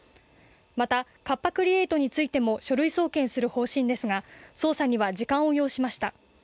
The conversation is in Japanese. また、カッパ・クリエイトについても書類送検する方針ですが、捜査には時間を要しました。